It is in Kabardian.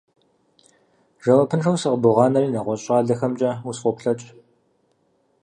Жэуапыншэу сыкъыбогъанэри, нэгъуэщӀ щӀалэхэмкӀэ усфӀоплъэкӀ.